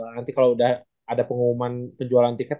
nanti kalau udah ada pengumuman penjualan tiket